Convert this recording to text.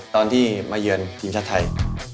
ตอนที่มาเยินที่พีมชัดไทย